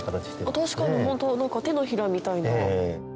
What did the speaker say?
確かにホント手のひらみたいな。